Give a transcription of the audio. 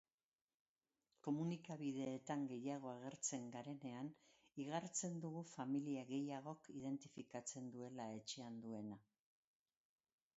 Komunikabideetan gehiago agertzen garenean igartzen dugu familia gehiagok identifikatzen duela etxean duena.